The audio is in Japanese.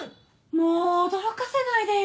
もう驚かせないでよ。